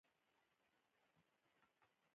هغه د کائنات ژبه درک کوي.